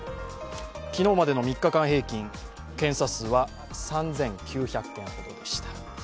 昨日までの３日間平均、検査数は３９００件ほどでした。